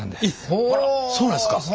ほうそうなんですか！